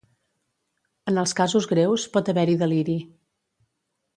En els casos greus, pot haver-hi deliri.